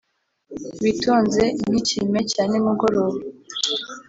witonze nk'ikime cya nimugoroba